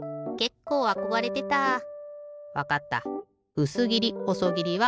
うすぎりほそぎりは